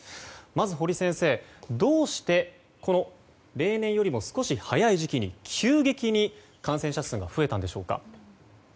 まず、堀先生どうして例年より少し早い時期に急激に感染者数が増えたんでしょうか。